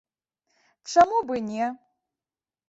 Чаму б і не!